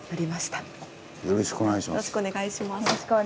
よろしくお願いします。